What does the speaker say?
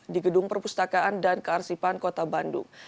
di gedung perpustakaan dan kearsipan kota bandung